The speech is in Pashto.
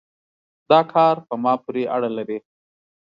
دا کار په ما پورې اړه لري